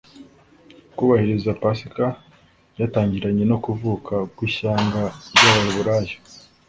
Kubahiriza Pasika byatangiranye no kuvuka kw’ishyanga ry’Abaheburayo